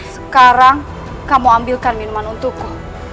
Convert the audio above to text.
sekarang kamu ambilkan minuman untukku